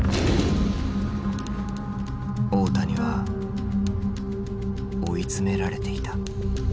大谷は追い詰められていた。